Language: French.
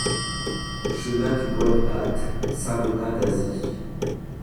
Chemin du Bois des Hâtes, Saint-Benin-d'Azy